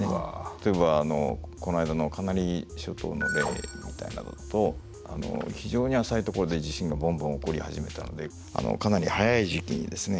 例えばこの間のカナリア諸島の例みたいなのだと非常に浅いところで地震がボンボン起こり始めたのでかなり早い時期にですね